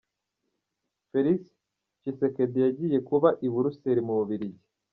Felix Tshisekedi yagiye kuba i Buruseli mu Bubiligi.